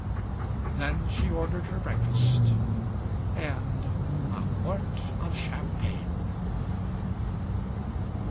Then she ordered her breakfast—and a quart of champagne.